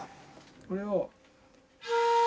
これを。